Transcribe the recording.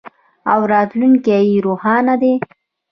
او راتلونکی یې روښانه دی.